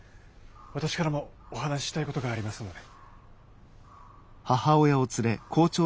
私からもお話ししたい事がありますので。